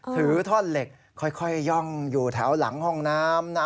ถือท่อนเหล็กค่อยย่องอยู่แถวหลังห้องน้ำนะ